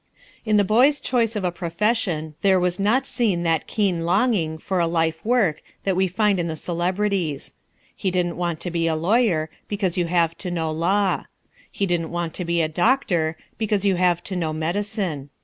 In the boy's choice of a profession there was not seen that keen longing for a life work that we find in the celebrities. He didn't want to be a lawyer, because you have to know law. He didn't want to be a doctor, because you have to know medicine.